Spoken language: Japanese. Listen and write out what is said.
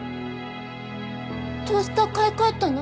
トースター買い替えたの？